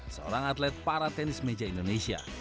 seorang atlet para tenis meja indonesia